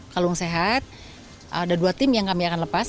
kalung sehat ada dua tim yang kami akan lepas